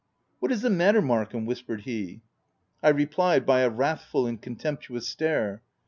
" What is the matter Markham V 9 whispered he. I replied by a wrathful and contemptuous stare.